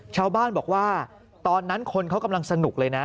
ชาวบ้านบอกว่าตอนนั้นคนเขากำลังสนุกเลยนะ